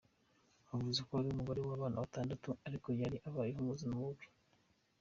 Avuze ko ari umugore w’abana batandatu ariko yari abayeho mu buzima bubi.